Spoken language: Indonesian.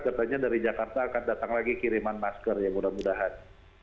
katanya dari jakarta akan datang lagi kiriman masker ya mudah mudahan